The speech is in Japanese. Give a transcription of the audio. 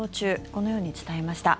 このように伝えました。